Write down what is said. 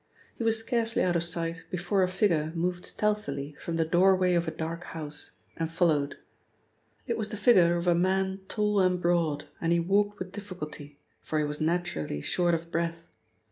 He was scarcely out of sight before a figure moved stealthily from the doorway of a dark house and followed. It was the figure of a man tall and broad, and he walked with difficulty, for he was naturally short of breath.